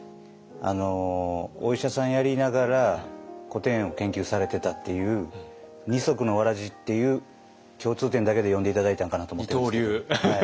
お医者さんやりながら古典を研究されてたっていう二足のわらじっていう共通点だけで呼んで頂いたんかなと思ってるんですけど。